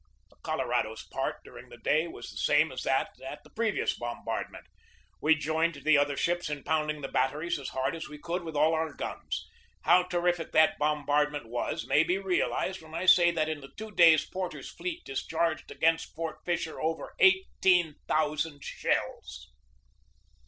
The Colorado's part during the day was the same as that at the previous bombardment. We joined the other ships in pounding the batteries as hard as we could with all our guns. How terrific that bom bardment was may be realized when I say that in the two days Porter's fleet discharged against Fort Fisher over eighteen thousand shells.